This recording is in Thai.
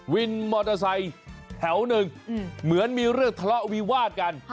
วินมอเตอร์ไซค์แถวหนึ่งเหมือนมีเรื่องทะเลาะวิวาดกัน